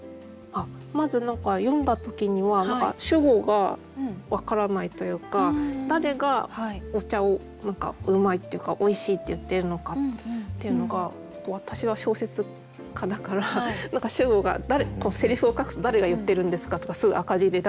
まず何か読んだ時には何か主語がわからないというか誰がお茶を何かうまいっていうかおいしいって言っているのかっていうのが私は小説家だから何か主語が誰こうせりふを書くと「誰が言ってるんですか？」とかすぐ赤字入れられるから。